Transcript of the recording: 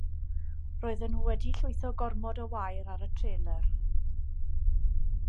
Roedden nhw wedi llwytho gormod o wair ar y trelyr.